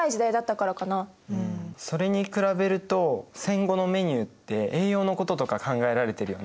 それに比べると戦後のメニューって栄養のこととか考えられてるよね。